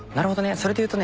それでいうとね